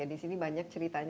di sini banyak ceritanya